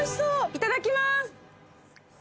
いただきます。